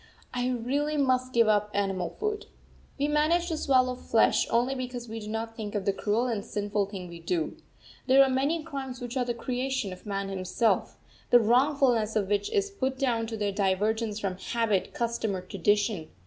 I really must give up animal food. We manage to swallow flesh only because we do not think of the cruel and sinful thing we do. There are many crimes which are the creation of man himself, the wrongfulness of which is put down to their divergence from habit, custom, or tradition.